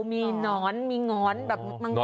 มีหนอนมีหงอนแบบมังกร